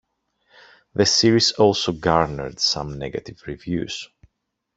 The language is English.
The series also garnered some negative reviews.